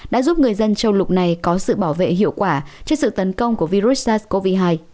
đã giúp người dân châu lục này có sự bảo vệ hiệu quả trước sự tấn công của virus sars cov hai